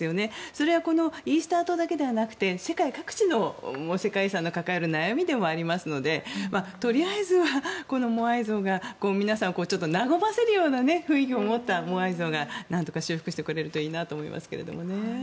それはイースター島だけではなくて世界各地の世界遺産の抱える悩みでもありますのでとりあえずはこのモアイ像が皆さん和ませるような雰囲気を持ったモアイ像がなんとか修復してくれるといいなと思いますけどね。